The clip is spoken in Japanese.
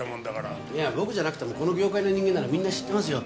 いや僕じゃなくてもこの業界の人間ならみんな知ってますよ。